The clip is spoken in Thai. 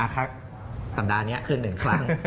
สัปดาห์นี้ขึ้น๑ครั้ง